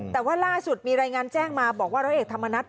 แต่ว่าล่าสุดมีรายงานแจ้งมาบอกว่าร้อยเอกธรรมนัฐ